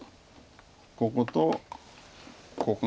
こことここが。